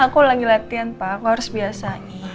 aku lagi latihan pak aku harus biasa